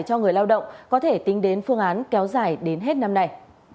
cho người lao động có thể tính đến phương án kéo dài đến hết năm nay